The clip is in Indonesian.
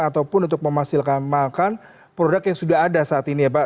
ataupun untuk memaksimalkan produk yang sudah ada saat ini ya pak